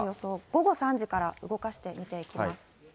午後３時から動かして見ていきます。